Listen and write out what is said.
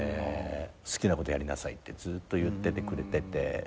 「好きなことやりなさい」ってずっと言っててくれてて。